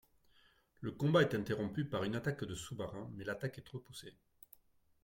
Le combat est interrompu par un attaque de sous-marin, mais l'attaque est repoussée.